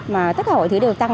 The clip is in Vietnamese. mà tất cả mọi thứ đều tăng